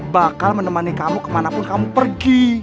bakal menemani kamu kemanapun kamu pergi